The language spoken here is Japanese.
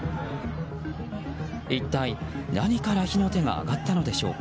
一体何から火の手が上がったのでしょうか。